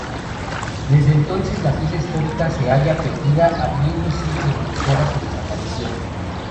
Desde entonces la pieza histórica se halla perdida, habiendo sido denunciada su desaparición.